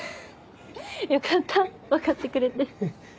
よかった分かってくれて。